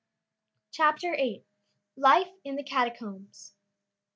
CHAPTER VIII. LIFE IN THE CATACOMBS.